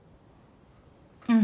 うん。